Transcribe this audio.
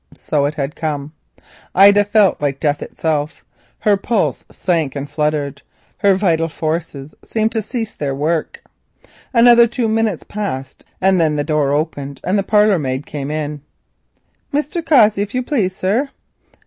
So it had come. Ida felt like death itself. Her pulse sunk and fluttered; her vital forces seemed to cease their work. Another two minutes went by, then the door opened and the parlour maid came in. "Mr. Cossey, if you please, sir."